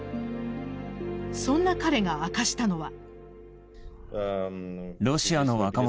そんな彼が明かしたのは。